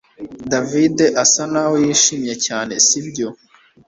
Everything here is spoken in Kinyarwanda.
David asa naho yishimye cyane sibyo